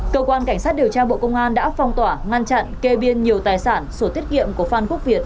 cơ quan cảnh sát điều tra bộ công an đã phong tỏa ngăn chặn kê biên nhiều tài sản sổ tiết kiệm của phan quốc việt